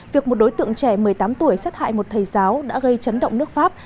việc một đối tượng trẻ một mươi tám tuổi sát hại một thầy giáo đã gây chấn động nước pháp